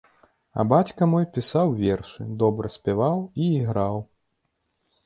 А бацька мой пісаў вершы, добра спяваў і іграў.